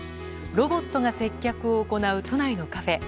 ロボットが接客を行う都内のカフェ。